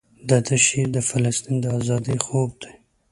دده شعر د فلسطین د ازادۍ خوب دی.